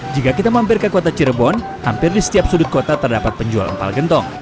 jika kita mampir ke kota cirebon hampir di setiap sudut kota terdapat penjual empal gentong